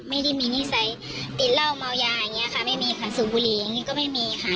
ไม่ได้มีนิสัยกินเหล้าเมายาอย่างนี้ค่ะไม่มีขันสูบบุหรี่อย่างนี้ก็ไม่มีค่ะ